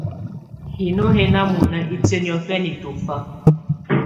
Hinô hɛ̀ nà mɔ̀na itìǝ́ niɔ̀fɛna tɔ̀fa.